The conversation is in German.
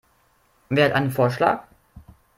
Wer hat einen Vorschlag?